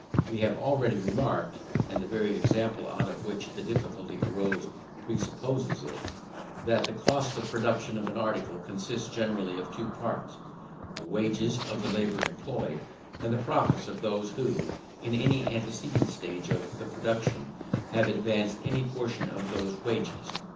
We have already remarked (and the very example out of which the difficulty arose presupposes it) that the cost of production of an article consists generally of two parts, the wages of the labour employed, and the profits of those who, in any antecedent stage of the production, have advanced any portion of those wages.